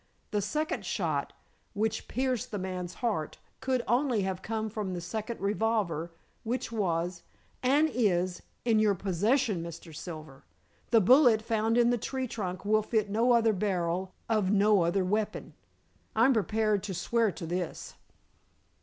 The second shot, which pierced the man's heart, could only have come from the second revolver, which was, and is, in your possession, Mr. Silver. The bullet found in the tree trunk will fit no other barrel of no other weapon. I'm prepared to swear to this."